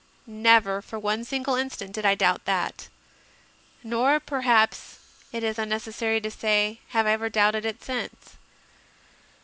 Never for one single instant did I doubt that, nor, perhaps it is unneces sary to say, have I ever doubted it since.